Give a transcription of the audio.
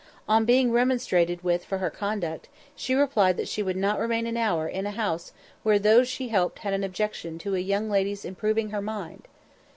On being remonstrated with for her conduct, she replied that she "would not remain an hour in a house where those she helped had an objection to a young lady's improving her mind!"